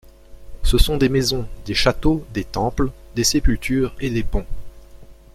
Ce sont des maisons, des châteaux, des temples, des sépultures et des ponts.